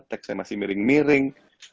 textnya masih miring miring